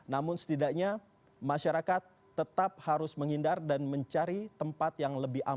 namun setidaknya masyarakat tetap harus menghindar dan mencari tempat yang lebih aman